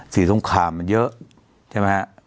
สงครามมันเยอะใช่ไหมฮะ